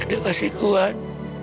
nek pasti kuat